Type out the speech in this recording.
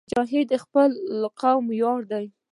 مجاهد د خپل قوم ویاړ دی.